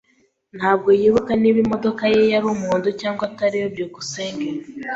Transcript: Ntabwo yibuka niba imodoka ye yari umuhondo cyangwa atariyo. byukusenge